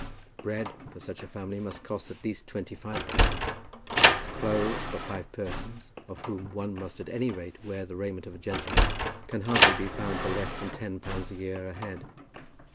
Bread for such a family must cost at least twenty five pounds. Clothes for five persons, of whom one must at any rate wear the raiment of a gentleman, can hardly be found for less than ten pounds a year a head.